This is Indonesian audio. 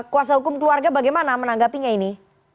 kuasa hukum keluarga bagaimana menanggapinya ini